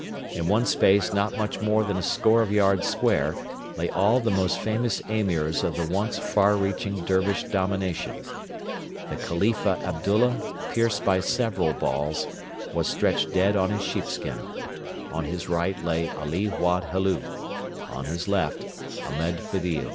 In one space not much more than a score of yards square lay all the most famous Emirs of the once far reaching Dervish domination. The Khalifa Abdullah, pierced by several balls, was stretched dead on his sheepskin; on his right lay Ali Wad Helu, on his left Ahmed Fedil.